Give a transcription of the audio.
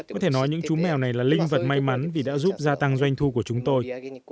có thể nói những chú mèo này là linh vật may mắn vì đã giúp gia tăng doanh thu của chúng tôi